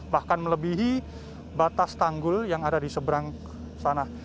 bahkan melebihi batas tanggul yang ada di seberang sana